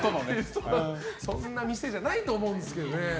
そんな店じゃないと思うんですけど。